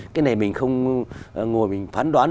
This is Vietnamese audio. cái này mình không ngồi mình phán đoán